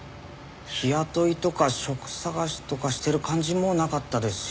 日雇いとか職探しとかしてる感じもなかったですし。